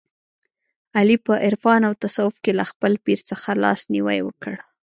علي په عرفان او تصوف کې له خپل پیر څخه لاس نیوی وکړ.